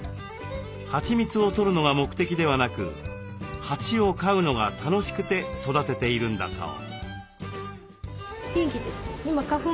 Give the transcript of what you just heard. はちみつをとるのが目的ではなく蜂を飼うのが楽しくて育てているんだそう。